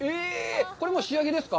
これ仕上げですか？